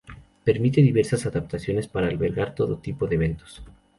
Permite diversas adaptaciones para albergar todo tipo de eventos.